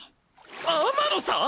天野さん！？